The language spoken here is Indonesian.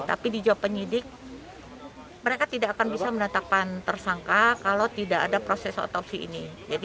akhirnya disetujui proses autopsi ini